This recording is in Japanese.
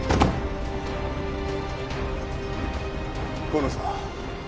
河野さん